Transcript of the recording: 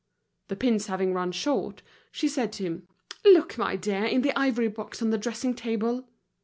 The pins having run short, she said to him: "Look, my dear, in the ivory box on the dressing table.